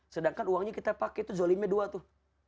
sedangkan uangnya kita pakai itu zolimnya dua tuh